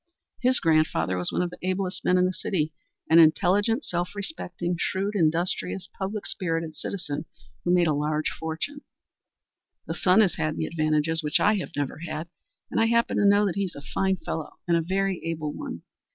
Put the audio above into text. "His grandfather was one of the ablest men in the city an intelligent, self respecting, shrewd, industrious, public spirited citizen who made a large fortune. The son has had advantages which I have never had, and I happen to know that he is a fine fellow and a very able one.